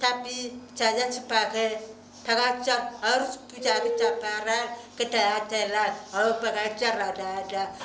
tapi ternyata sebagai pengajar harus punya pencaparan ke dalam jalan untuk mengajar anak anak